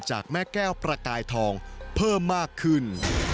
จากแม่แก้วประกายทองเพิ่มมากขึ้น